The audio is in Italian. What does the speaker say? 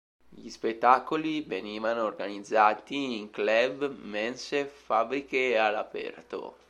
Gli spettacoli venivano organizzati in club, mense, fabbriche e all'aperto.